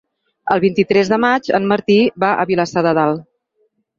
El vint-i-tres de maig en Martí va a Vilassar de Dalt.